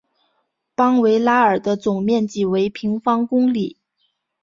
邦维拉尔的总面积为平方公里。